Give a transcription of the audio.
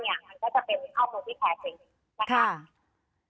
มันก็จะเป็นข้อมูลที่แพ้แล้ว